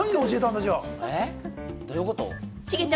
どういうこと？